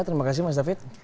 terima kasih mas david